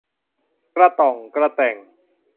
กระต่องกระแต่ง